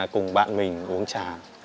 cùng bạn mình uống trà